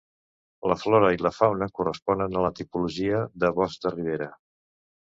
La flora i la fauna corresponen a la tipologia de bosc de ribera.